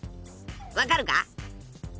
分かるか？